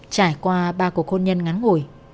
trải qua ba cuộc hôn nhân ngắn ngủi